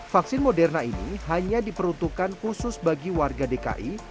vaksin moderna ini hanya diperuntukkan khusus bagi warga dki